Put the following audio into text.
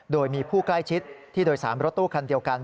โดยมีผู้ใกล้ชิดที่โดยสารรถตู้คันเดียวกัน